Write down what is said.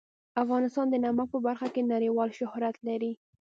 افغانستان د نمک په برخه کې نړیوال شهرت لري.